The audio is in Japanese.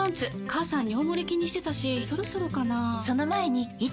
母さん尿モレ気にしてたしそろそろかな菊池）